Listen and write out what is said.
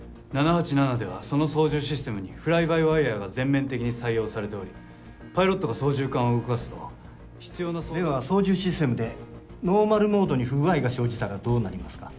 ７８７ではその操縦システムにフライ・バイ・ワイヤーが全面的に採用されておりパイロットが操縦桿を動かすと必要な。では操縦システムでノーマルモードに不具合が生じたらどうなりますか？